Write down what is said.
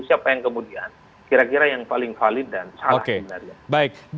siapa yang kemudian kira kira yang paling valid dan salah sebenarnya